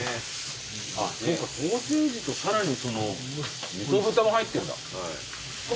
あっそうかソーセージとさらにそのみそ豚も入ってんだ。